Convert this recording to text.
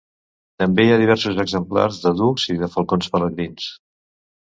També hi ha diversos exemplars de ducs i de falcons pelegrins.